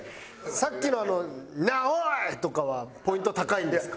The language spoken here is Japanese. さっきの「なあおい！」とかはポイント高いんですか？